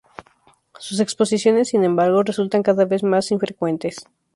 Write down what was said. Sus exposiciones, sin embargo, resultan cada vez más infrecuentes.